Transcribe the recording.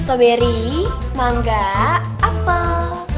stoberi mangga apel